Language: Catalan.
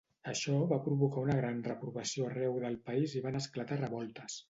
Això va provocar una gran reprovació arreu del país i van esclatar revoltes.